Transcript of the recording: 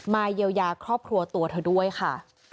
เยียวยาครอบครัวตัวเธอด้วยค่ะ